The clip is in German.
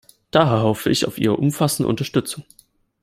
Daher hoffe ich auf Ihre umfassende Unterstützung.